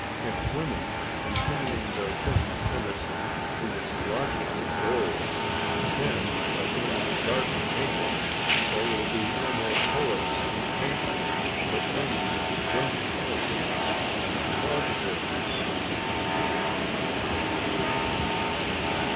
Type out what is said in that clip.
If women, continuing their present tendency to its logical goal, end by going stark naked, there will be no more poets and painters, but only dermatologists and photographers....